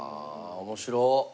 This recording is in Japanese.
面白っ！